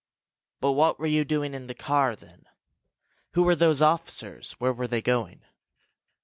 "But what were you doing in the car, then? Who were those officers? Where were they going?"